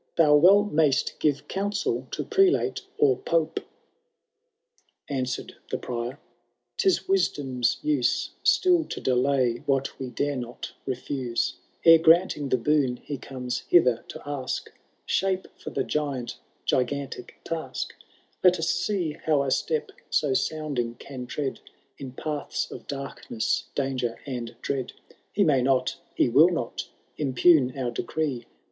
Thou well xnayst give counsel to Prelate or Pope. XI. Answered the Prior —*Tia wisdom^ use StiU to dekty what we dare not refuse ; Eie granting the boon he comes hither to ask, Shape for the giant gigantic task ; liOt us see how a step so sounding can tread In paths of darkness, danger, and dread ; He max not, he will not, impugn our decree.